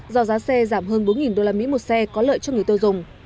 do giá xe giảm hơn bốn usd một xe có lợi cho người tiêu dùng